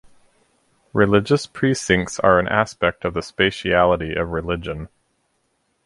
Religious precincts are an aspect of the spatiality of religion.